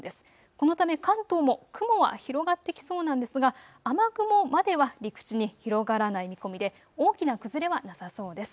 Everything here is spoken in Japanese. このため関東も雲は広がってきそうなんですが雨雲までは陸地に広がらない見込みで大きな崩れはなさそうです。